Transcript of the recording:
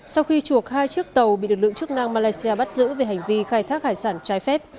sau khi chuộc hai chiếc tàu bị lực lượng chức năng malaysia bắt giữ về hành vi khai thác hải sản trái phép